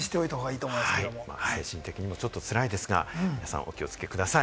精神的にもちょっとつらいですが、皆さんお気をつけください。